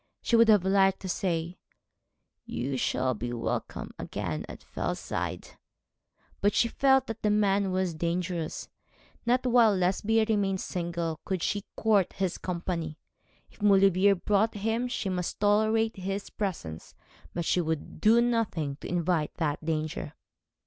She would have liked to say, 'You shall be welcome again at Fellside,' but she felt that the man was dangerous. Not while Lesbia remained single could she court his company. If Maulevrier brought him she must tolerate his presence, but she would do nothing to invite that danger.